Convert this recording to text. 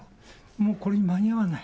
もうこれに間に合わない。